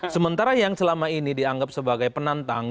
sementara yang selama ini dianggap sebagai penantang